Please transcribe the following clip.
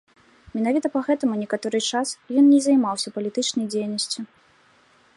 Менавіта па гэтаму некаторы час ён не займаўся палітычнай дзейнасцю.